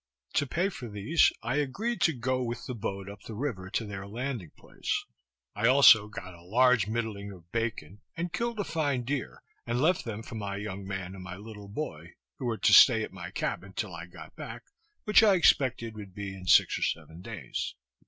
To pay for these, I agreed to go with the boat up the river to their landing place. I got also a large middling of bacon, and killed a fine deer, and left them for my young man and my little boy, who were to stay at my cabin till I got back; which I expected would be in six or seven days.